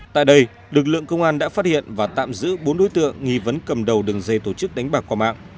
tại đây lực lượng công an đã phát hiện và tạm giữ bốn đối tượng nghi vấn cầm đầu đường dây tổ chức đánh bạc qua mạng